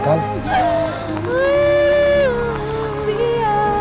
kembali pulang ya